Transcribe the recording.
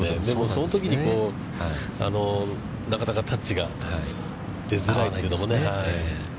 そのときになかなかタッチが出づらいというのもね。